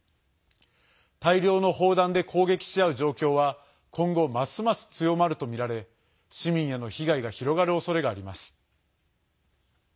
大量の砲弾で攻撃し合う状況は今後ますます強まるとみられ市民への被害が広がるおそれがあります。